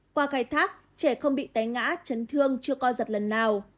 qua cài thác trẻ không bị tái ngã chấn thương chưa co giật lần nào